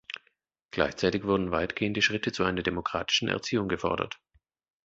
Gleichzeitig wurden weitgehende Schritte zu einer demokratischen Erziehung gefordert.